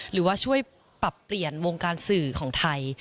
หรือว่าช่วยปรับเปลี่ยนวงการสื่อของไทย